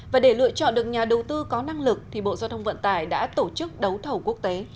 và để lựa chọn được nhà đầu tư có năng lực thì bộ giao thông vận tải đã tổ chức đấu thầu quốc tế